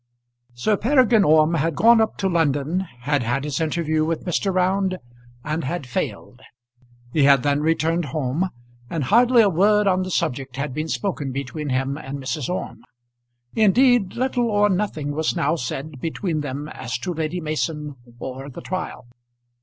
Sir Peregrine Orme had gone up to London, had had his interview with Mr. Round, and had failed. He had then returned home, and hardly a word on the subject had been spoken between him and Mrs. Orme. Indeed little or nothing was now said between them as to Lady Mason or the trial.